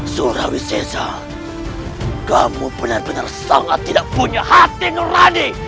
surawi sesa kamu benar benar sangat tidak punya hati nurade